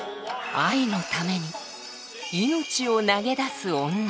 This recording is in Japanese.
愛のために命を投げ出す女。